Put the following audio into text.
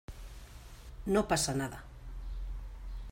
no pasa nada.